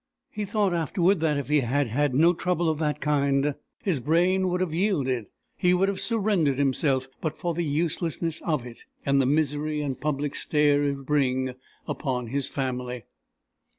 He thought afterward that, if he had had no trouble of that kind, his brain would have yielded. He would have surrendered himself but for the uselessness of it, and the misery and public stare it would bring upon his family.